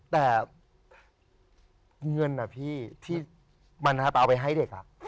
แต่เงินพี่ที่มันเอาไปให้เด็ก